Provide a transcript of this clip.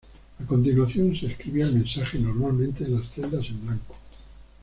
A continuación, se escribía el mensaje normalmente en las celdas en blanco.